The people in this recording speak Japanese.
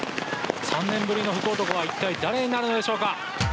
３年ぶりの福男は一体、誰になるのでしょうか。